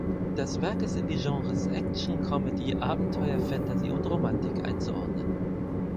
Das Werk ist in die Genres Action, Comedy, Abenteuer, Fantasy und Romantik einzuordnen.